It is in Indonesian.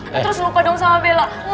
aduh terus lupa dong sama bella